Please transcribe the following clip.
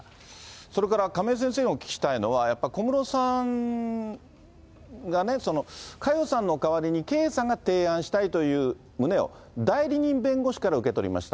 それから亀井先生にお聞きしたいのは、やっぱり小室さんがね、佳代さんの代わりに圭さんが提案したいという旨を、代理人弁護士から受け取りました。